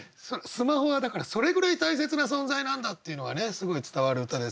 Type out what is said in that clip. スマホはだからそれぐらい大切な存在なんだっていうのがねすごい伝わる歌ですけれど。